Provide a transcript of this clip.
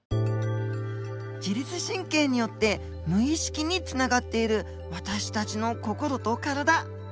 自律神経によって無意識につながっている私たちの心と体。